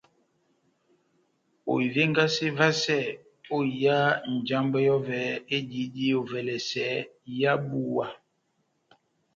Ohivengase vasɛ ó iha njambwɛ yɔvɛ ediyidi ovɛlɛsɛ iha búwa.